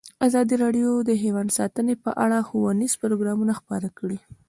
ازادي راډیو د حیوان ساتنه په اړه ښوونیز پروګرامونه خپاره کړي.